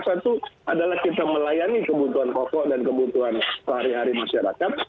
satu adalah kita melayani kebutuhan pokok dan kebutuhan sehari hari masyarakat